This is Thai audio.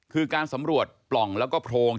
คือการสำรวจปล่องแล้วก็โพรง